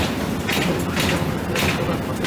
শিকারীর পোষাকটা মনে হচ্ছে এবার পরতেই যাচ্ছো।